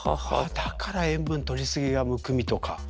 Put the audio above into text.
だから塩分とりすぎはむくみとか。